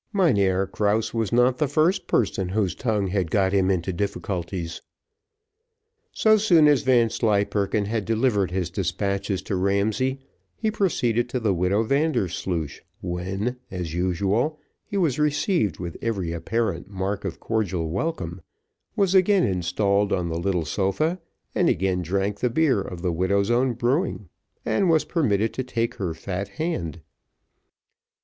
Mynheer Krause was not the first person whose tongue had got him into difficulties. So soon as Vanslyperken had delivered his despatches to Ramsay, he proceeded to the widow Vandersloosh, when, as usual, he was received with every apparent mark of cordial welcome, was again installed on the little sofa, and again drank the beer of the widow's own brewing, and was permitted to take her fat hand.